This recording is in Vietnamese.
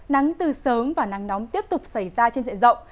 nắng từ sớm và nắng nóng tiếp tục xảy ra trên diện rộng